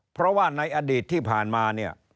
เพราะว่าในอดีตที่ผ่านมาเนี่ย